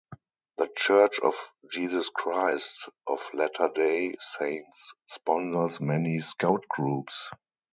The Church of Jesus Christ of Latter-day Saints sponsors many Scout groups.